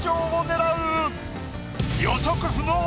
予測不能！